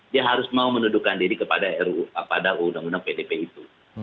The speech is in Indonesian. dia harus mau menuduhkan diri kepada undang undang pdp itu